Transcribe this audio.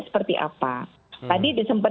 seperti apa tadi sempat